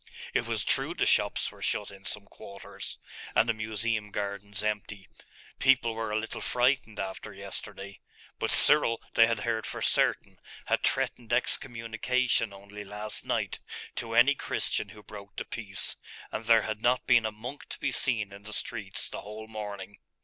It was true the shops were shut in some quarters, and the Museum gardens empty; people were a little frightened after yesterday. But Cyril, they had heard for certain, had threatened excommunication only last night to any Christian who broke the peace; and there had not been a monk to be seen in the streets the whole morning.